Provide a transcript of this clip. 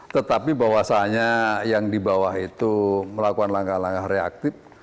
tetapi bahwasanya yang di bawah itu melakukan langkah langkah reaktif